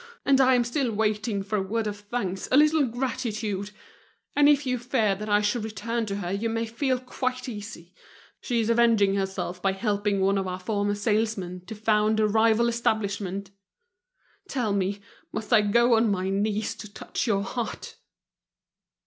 And I am still waiting for a word of thanks, a little gratitude. And if you fear that I should return to her, you may feel quite easy: she is avenging herself by helping one of our former salesmen to found a rival establishment. Tell me, must I go on my knees to touch your heart?"